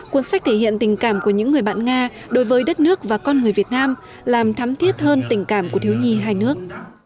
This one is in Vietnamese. cuốn sách thể hiện tình cảm của những người bạn nga đối với đất nước và con người việt nam làm thắm thiết hơn tình cảm của thiếu nhi hai nước